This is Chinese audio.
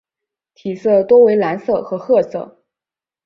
体色多为蓝色和褐色。